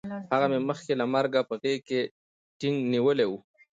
هغه مې مخکې له مرګه په غېږ کې ټینګ نیولی وی